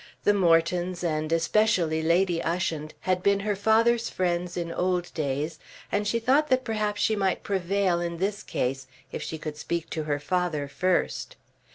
The Mortons, and especially Lady Ushant, had been her father's friends in old days and she thought that perhaps she might prevail in this case if she could speak to her father first.